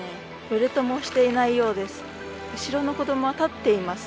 ベルトもしていないようです。